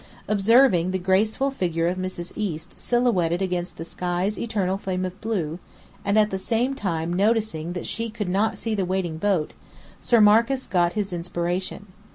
Observing the graceful figure of Mrs. East silhouetted against the sky's eternal flame of blue, and at the same time noticing that she could not see the waiting boat, Sir Marcus got his inspiration.